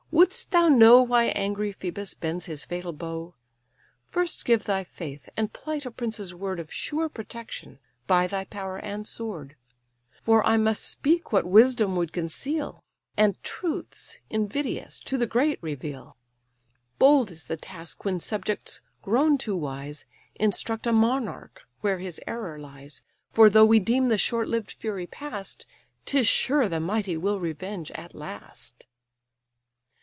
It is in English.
would'st thou know Why angry Phœbus bends his fatal bow? First give thy faith, and plight a prince's word Of sure protection, by thy power and sword: For I must speak what wisdom would conceal, And truths, invidious to the great, reveal, Bold is the task, when subjects, grown too wise, Instruct a monarch where his error lies; For though we deem the short lived fury past, 'Tis sure the mighty will revenge at last."